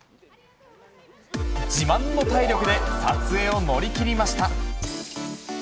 自慢の体力で撮影を乗り切りました。